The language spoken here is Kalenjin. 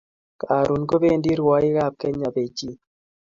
Karun kobendi rwaik ab kenya Bejin